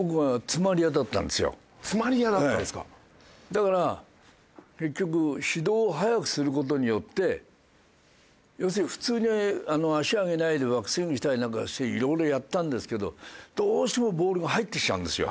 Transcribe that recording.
だから結局始動を早くする事によって要するに普通に足上げないでバックスイングしたりなんかして色々やったんですけどどうしてもボールが入ってきちゃうんですよ。